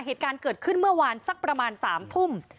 เหตุการณ์เกิดขึ้นเมื่อวานสักประมาณ๓ทุ่ม